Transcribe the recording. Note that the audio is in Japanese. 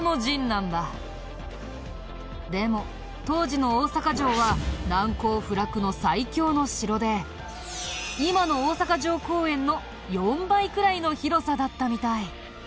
でも当時の大坂城は難攻不落の最強の城で今の大阪城公園の４倍くらいの広さだったみたい。